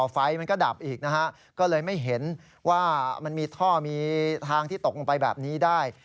ไฟมันก็ดับอีกนะฮะก็เลยไม่เห็นว่ามันมีท่อมีทางที่ตกลงไปแบบนี้ได้